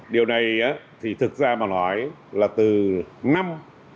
điều này thì thực ra mà nói là từ năm hai nghìn một mươi bốn